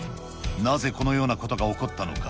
なぜこのようなことが起こったのか。